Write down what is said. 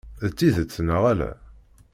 D tidet neɣ ala?